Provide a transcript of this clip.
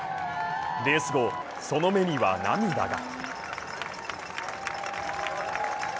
レース後、その目には涙が。